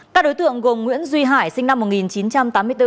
các đối tượng gồm nguyễn duy hải sinh năm một nghìn chín trăm tám mươi bốn